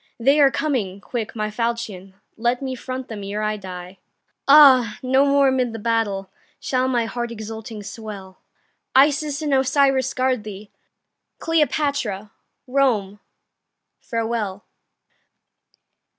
They are coming! quick, my falchion, Let me front them ere I die. Ah! no more amid the battle Shall my heart exulting swell; Isis and Osiris guard thee! Cleopatra, Rome, farewell!